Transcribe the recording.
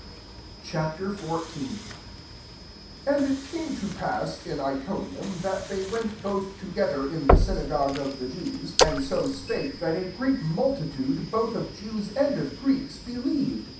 Ch. XIV. 1 And it came to pass, in Iconium, that they went both together in the synagogue of the Jews, and so spake that a great multitude, both of Jews and of Greeks, believed.